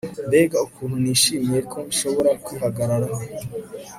mbega ukuntu nishimiye ko nshobora kwihagararaho